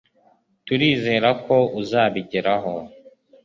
turizera ko uzabigeraho